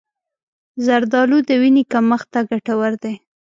زردآلو د وینې کمښت ته ګټور دي.